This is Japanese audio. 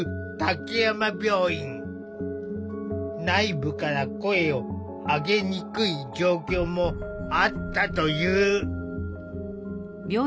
内部から声を上げにくい状況もあったという。